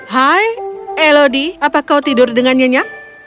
hai elodie apa kau tidur dengan nyonya